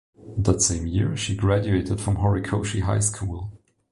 That same year, she graduated from Horikoshi High School.